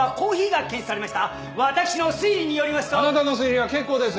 あなたの推理は結構です。